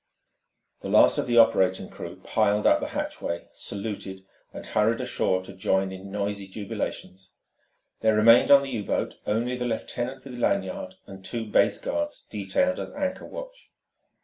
The last of the operating room crew piled up the hatchway, saluted, and hurried ashore to join in noisy jubilations. There remained on the U boat only the lieutenant with Lanyard, and two base guards detailed as anchor watch.